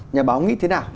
nhà báo nghĩ thế nào